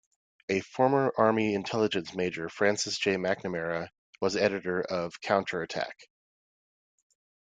A former Army intelligence major, Francis J. McNamara, was the editor of "Counterattack".